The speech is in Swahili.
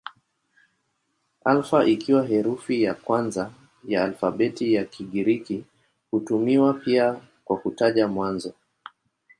Alfa ikiwa herufi ya kwanza ya alfabeti ya Kigiriki hutumiwa pia kwa kutaja mwanzo.